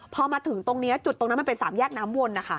พอมาถึงตรงนี้จุดตรงนั้นมันเป็นสามแยกน้ำวนนะคะ